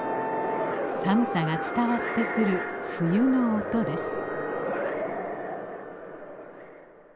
寒さが伝わってくる冬の音です。